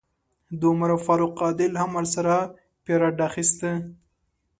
د عمر فاروق عادل هم ورسره پیرډ اخیسته.